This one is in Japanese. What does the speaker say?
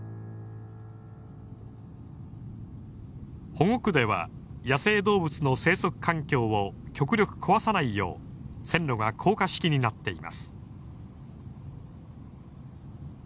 保護区では野生動物の生息環境を極力壊さないよう線路が高架式になっています。